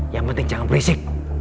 yang penting jangan berisik